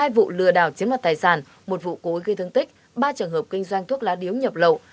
hai vụ lừa đảo chiếm đoạt tài sản một vụ cối gây thương tích ba trường hợp kinh doanh thuốc lá điếu nhập lậu